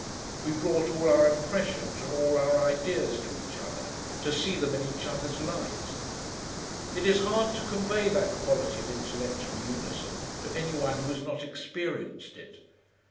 We brought all our impressions and all our ideas to each other, to see them in each other's light. It is hard to convey that quality of intellectual unison to any one who has not experienced it.